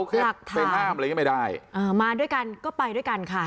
ไปห้ามอะไรอย่างงี้ไม่ได้อ่ามาด้วยกันก็ไปด้วยกันค่ะ